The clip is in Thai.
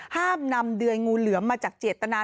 ห้ามนำเดือยงูเหลือมมาจากเจตนา